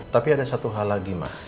tapi ada satu hal lagi mah